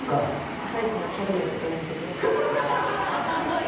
朝イチのキャビアとかやめてくださいね。